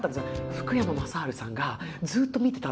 福山雅治さんがずっと見てたんですよ